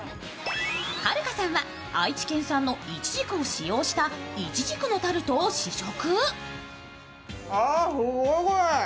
はるかさんは愛知県産のいちじくを使用したいちじくのタルトを試食。